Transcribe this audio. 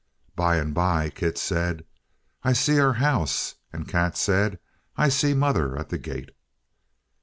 By and by Kit said, "I see our house"; and Kat said, "I see mother at the gate."